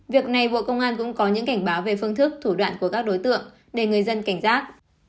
việc này bộ công an cũng có những cảnh báo về phương thức thủ đoạn của các đối tượng để người dân cảnh giác